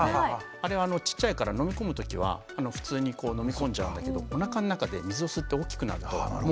あれはちっちゃいから飲み込むときは普通に飲み込んじゃうんだけどおなかの中で水を吸って大きくなるともう出なくなっちゃうんですね。